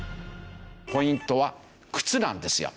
ポイントは靴なんですよ。